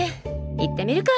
行ってみるか。